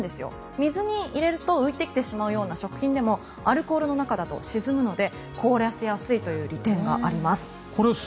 水に入れると浮いてきてしまう食品でもアルコールの中だと沈むので凍らせやすいという利点があります。